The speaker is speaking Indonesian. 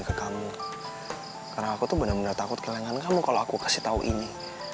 ke kamu karena aku tuh bener bener takut kehilangan kamu kalau aku kasih tahu ini